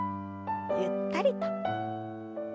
ゆったりと。